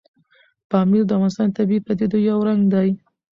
پامیر د افغانستان د طبیعي پدیدو یو رنګ دی.